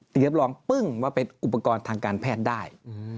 เตรียมรองปึ้งว่าเป็นอุปกรณ์ทางการแพทย์ได้